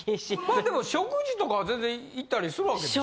まあでも食事とかは全然行ったりするわけでしょ？